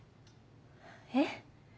えっ？